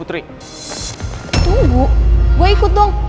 tunggu gue ikut dong